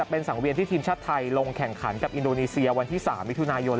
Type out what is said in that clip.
เป็นสังเวียนที่ทีมชาติไทยลงแข่งขันกับอินโดนีเซียวันที่๓มิถุนายน